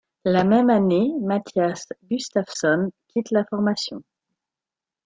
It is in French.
La même année Mattias Gustafsson quitte la formation.